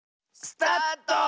スタート！